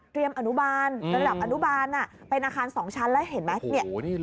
อนุบาลระดับอนุบาลเป็นอาคาร๒ชั้นแล้วเห็นไหม